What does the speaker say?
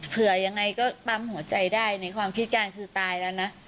เผื่อยังไงก็ปั๊มหัวใจได้ในความคิดการคือตายแล้วนะ